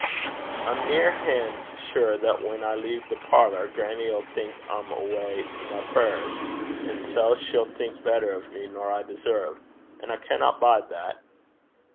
'I'm nearhan' sure that whan I lea' the parlour, grannie 'ill think I'm awa' to my prayers; and sae she'll think better o' me nor I deserve. An' I canna bide that.'